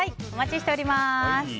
お待ちしております。